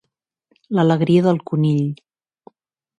L'alegria del conill.